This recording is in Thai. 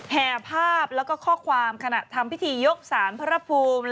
แห่ภาพแล้วก็ข้อความขณะทำพิธียกสารพระภูมิ